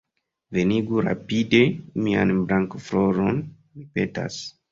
Venigu rapide mian Blankafloron, mi petas.